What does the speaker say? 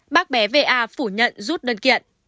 bác bé v a phủ nhận rút đơn kiện